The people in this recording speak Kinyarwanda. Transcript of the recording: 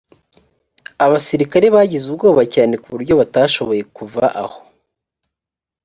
abasirikare bagize ubwoba cyane ku buryo batashoboye kuva aho